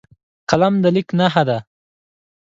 قلم د لیک نښه ده